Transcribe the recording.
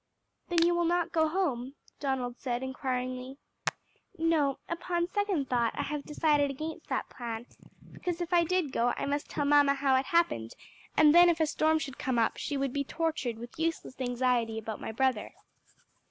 "Then you will not go home?" Donald said, inquiringly. "No; upon second thought I have decided against that plan, because if I did go I must tell mamma how it happened, and then if a storm should come up she would be tortured with useless anxiety about my brother."